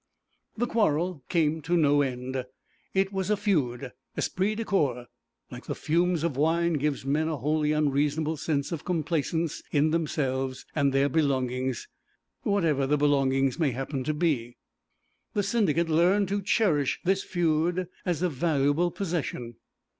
The quarrel came to no end; it was a feud. 'Esprit de corps,' like the fumes of wine, gives men a wholly unreasonable sense of complacence in themselves and their belongings, whatever the belongings may happen to be. The Syndicate learned to cherish this feud as a valuable possession.